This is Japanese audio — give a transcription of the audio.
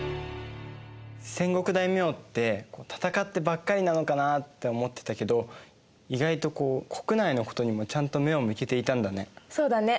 戦国大名って戦ってばっかりなのかなって思ってたけど意外とこう国内のことにもちゃんと目を向けていたんだね。